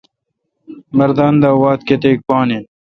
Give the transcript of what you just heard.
مردان دا واتھ کیتیک پان این۔